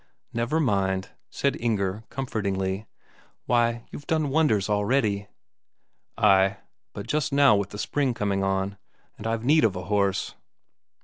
"Never mind," said Inger comfortingly. "Why, you've done wonders already." "Ay, but just now with the spring coming on and I've need of a horse...."